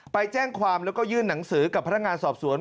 ไปแจ้งความแล้วก็ยื่นหนังสือกับพนักงานสอบสวน